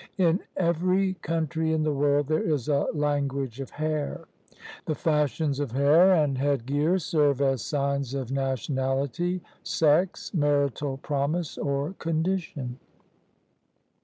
In every country in the world there is a language of hair. The fashions of hair and head gear serve as signs of nationality, sex, marital promise or condition.